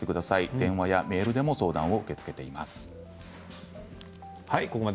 電話やメールでも相談を受け付けています。